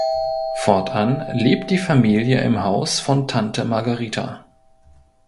Fortan lebt die Familie im Haus von Tante Margherita.